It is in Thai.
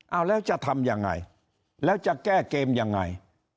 เอาแล้วจะทำยังไงแล้วจะแก้เกมยังไง